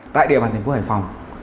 tại địa bàn thành phố hải phòng